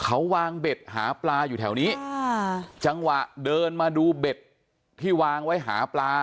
เขาวางเบ็ดหาปลาอยู่แถวนี้ค่ะจังหวะเดินมาดูเบ็ดที่วางไว้หาปลา